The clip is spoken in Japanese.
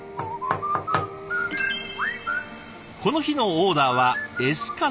この日のオーダーはエスカロップ。